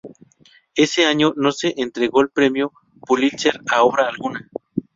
Ese año, no se entregó el premio Pulitzer a obra alguna.